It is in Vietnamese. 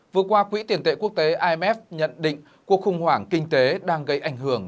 vừa qua quỹ tiền tệ quốc tế imf nhận định cuộc khủng hoảng kinh tế đang gây ảnh hưởng